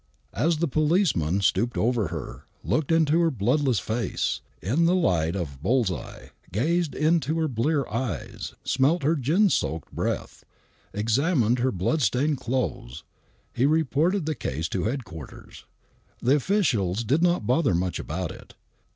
As the policeman stooped over her, looked into her bloodless face, in the light of buUseye, gazed into her blear eyes, smelt her gin soaked breath, examined her bloodstained clothes, he reported the case to headquarters. The officials did not bother much about it.